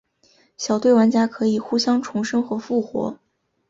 小队玩家可以互相重生和复活。